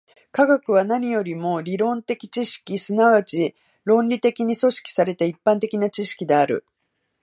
科学は何よりも理論的知識、即ち論理的に組織された一般的な知識である。